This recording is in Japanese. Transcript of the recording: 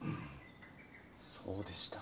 そうでしたか。